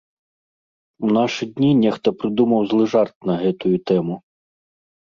У нашы дні нехта прыдумаў злы жарт на гэтую тэму.